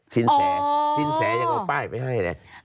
สินแสสินแสยังเอาป้ายไปให้เลย